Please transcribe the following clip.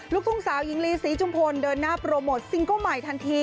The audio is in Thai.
ลูกทุ่งสาวหญิงลีศรีจุมพลเดินหน้าโปรโมทซิงเกิ้ลใหม่ทันที